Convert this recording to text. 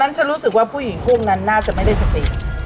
ตอนนั้นฉันรู้สึกว่าผู้หญิงพวกนั้นน่าจะไม่ได้สติ